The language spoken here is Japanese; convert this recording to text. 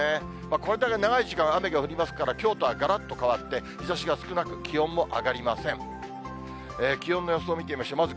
これだけ長い時間雨が降りますから、京都はがらっと変わって、日ざしは少なく、気温はあまり上がりません。